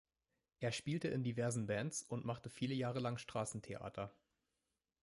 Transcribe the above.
Er spielte in diversen Bands und machte viele Jahre lang Straßentheater.